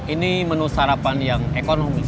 ini menu sarapan yang ekonomis